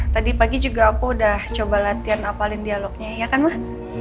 tadi pagi juga aku udah coba latihan apalin dialognya ya kan mah